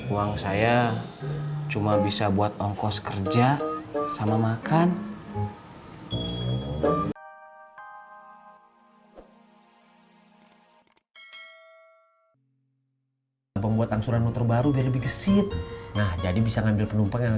uang saya cuma bisa buat ongkos kerja sama makan